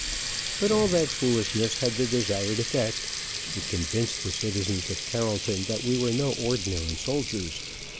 But all that foolishness had the desired effect. It convinced the citizens of Carrollton that we were no ordinary soldiers.